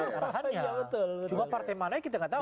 cuma partai mana kita nggak tahu